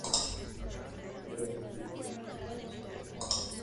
Más tarde obtuvo muchos otros solos de canto y baile.